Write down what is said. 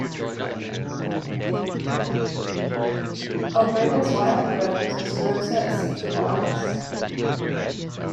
Alberta's "wild rose" is "Rosa acicularis".